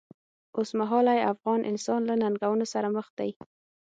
اوسمهالی افغان انسان له ننګونو سره مخ دی.